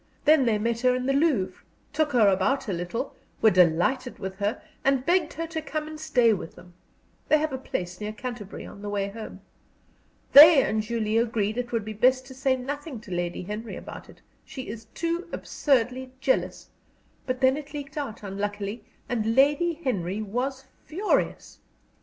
Then they met her in the Louvre, took her about a little, were delighted with her, and begged her to come and stay with them they have a place near Canterbury on the way home. They and Julie agreed that it would be best to say nothing to Lady Henry about it she is too absurdly jealous but then it leaked out, unluckily, and Lady Henry was furious."